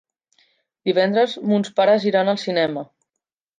Divendres mons pares iran al cinema.